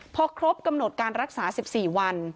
พอครบกำหนดการรักษา๑๔วัน